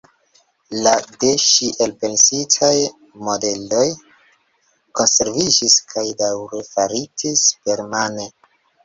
La de ŝi elpensitaj modeloj konserviĝis kaj daŭre faritis permane.